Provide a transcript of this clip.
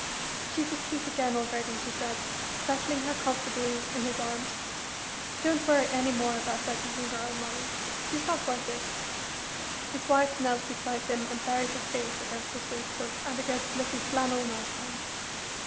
"She's asleep again already," he said, settling her comfortably in his arms. "Don't worry any more about that Eden girl, Molly she's not worth it." His wife knelt beside him and buried her face against his waistcoat and against the little flannel night gown.